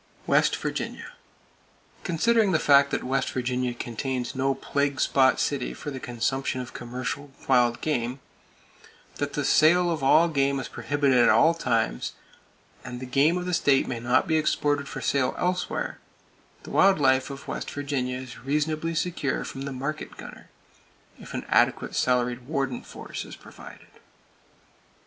West Virginia: [Page 301] Considering the fact that West Virginia contains no plague spot city for the consumption of commercial wild game, that the sale of all game is prohibited at all times, and the game of the state may not be exported for sale elsewhere, the wild life of West Virginia is reasonably secure from the market gunner,—if an adequate salaried warden force is provided.